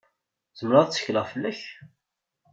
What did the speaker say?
Zemreɣ ad tekkleɣ fell-ak?